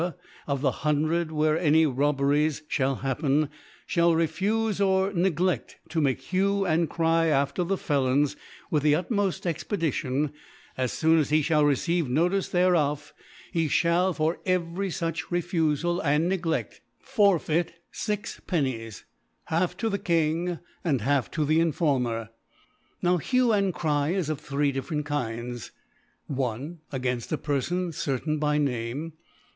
of the Hundred where ^ any Robberies ihall happen, (hall refuie or * negleU to make Hue and Cry after the * Felons with the utmoll Expedition, as^ ^ foon as he (hall receive Notice thereof, he * ihall for every fuch Rcfufal and Negleft ^ forfeit 5/. half to the ICTing and half to ^ the Informer/ Now Hue and Cry is of three different Kinds : i. Againft a Perfon certain by Name, 2.